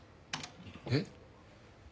えっ？